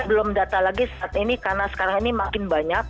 belum data lagi saat ini karena sekarang ini makin banyak